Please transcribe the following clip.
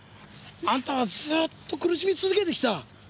あんたはずーっと苦しみ続けてきた。